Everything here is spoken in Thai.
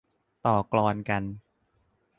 ต่อกลอนกัน